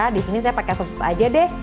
disini saya pakai sosis aja deh